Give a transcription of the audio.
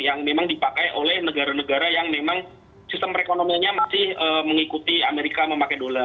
yang memang dipakai oleh negara negara yang memang sistem perekonomiannya masih mengikuti amerika memakai dolar